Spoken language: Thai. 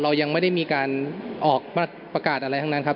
เรายังไม่ได้มีการออกประกาศอะไรทั้งนั้นครับ